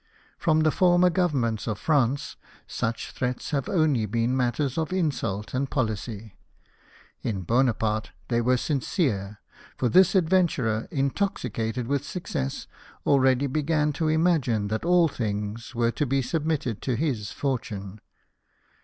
From the former Governments of France such threats have only been matters of insult and policy ; in Bonaparte they were sincere — for this adventurer, intoxicated with success, already began to imagine that all things were to be submitted to his fortune.